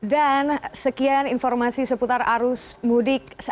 dan sekian informasi seputar arus mudik